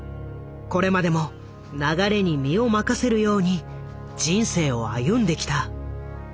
これまでも流れに身を任せるように人生を歩んできた。